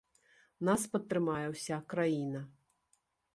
Нас падтрымае ўся краіна.